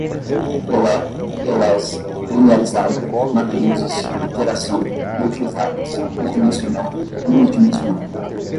relé, relés, linearizada, matrizes, iteração, reutilizáveis, bidimensional, unidimensional